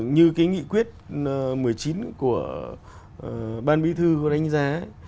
như cái nghị quyết một mươi chín của ban bí thư đánh giá